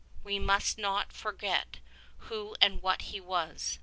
We must not for get who and what he was.